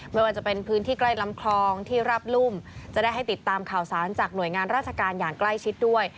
ไม่ว่าจะเป็นพื้นที่ใกล้ลำคลองที่รับรุ่มจะได้ให้ติดตามข่าวสารจากหน่วยงานราชการอย่างใกล้ชิดด้วย